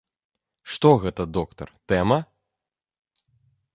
Што гэта, доктар, тэма?